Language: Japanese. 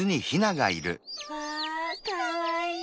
わあかわいい！